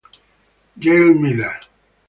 Gail Miller